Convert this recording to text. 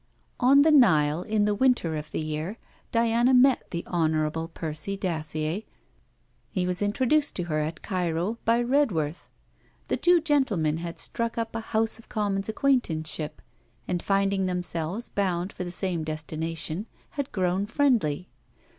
On the Nile, in the winter of the year, Diana met the Hon. Percy Dacier. He was introduced to her at Cairo by Redworth. The two gentlemen had struck up a House of Commons acquaintanceship, and finding themselves bound for the same destination, had grown friendly.